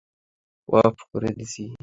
Of করে দিচ্ছি।